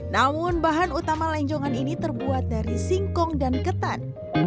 namun bahan utama lenjongan ini terbuat dari singkong dan ketan